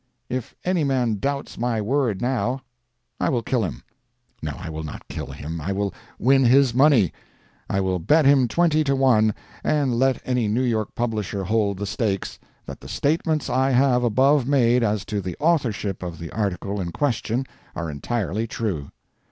If any man doubts my word now, I will kill him. No, I will not kill him; I will win his money. I will bet him twenty to one, and let any New York publisher hold the stakes, that the statements I have above made as to the authorship of the article in question are entirely true.